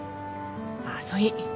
あっそい